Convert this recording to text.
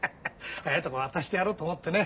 早いとこ渡してやろうと思ってね。